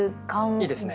いいですね。